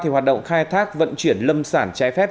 hoạt động khai thác vận chuyển lâm sản trái phép